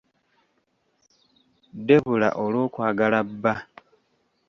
Debula olw'okwagala bba